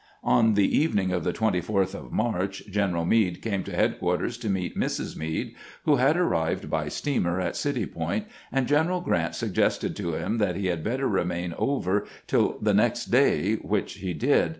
On the evening of the 24th of March, General Meade came to headquarters to meet Mrs. Meade, who had arrived by steamer at City Point, and General Grant suggested to him that he had better remain over tUl the next day, which he did.